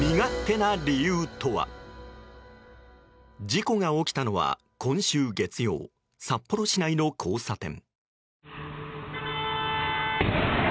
事故が起きたのは今週月曜、札幌市内の交差点。